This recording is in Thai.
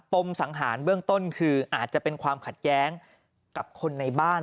มสังหารเบื้องต้นคืออาจจะเป็นความขัดแย้งกับคนในบ้าน